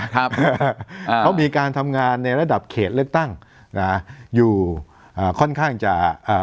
เขามีการทำงานในระดับเขตเลือกตั้งนะฮะอยู่อ่าค่อนข้างจะอ่า